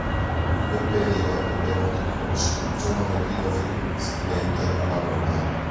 In quel periodo ebbe modo di conoscere il giovane Enrico Fermi, studente alla Normale.